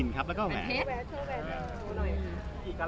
ใช่